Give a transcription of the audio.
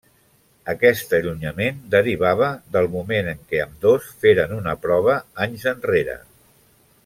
Aquest allunyament derivava del moment en què ambdós feren una prova anys enrere.